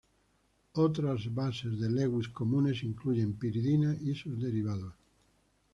Otras bases de Lewis comunes incluyen piridina y sus derivados.